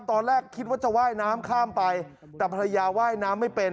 ตอนแรกคิดว่าจะว่ายน้ำข้ามไปแต่ภรรยาว่ายน้ำไม่เป็น